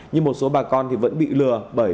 nhưng một số bà con vẫn bị lừa bởi